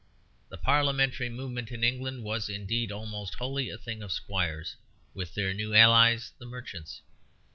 The Parliamentary movement in England was, indeed, almost wholly a thing of squires, with their new allies the merchants.